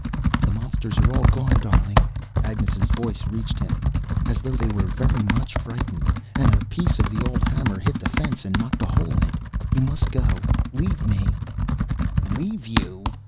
"The monsters are all gone, darling," Agnes' voice reached him. "As though they were very much frightened. And a piece of the old hammer hit the fence and knocked a hole in it. You must go. Leave me " "Leave you?"